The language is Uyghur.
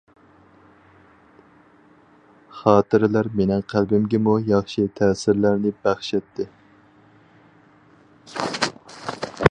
خاتىرىلەر مېنىڭ قەلبىمگىمۇ ياخشى تەسىرلەرنى بەخش ئەتتى.